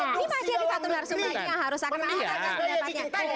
ini masih ada satu larasung bagi yang harus akan diangkat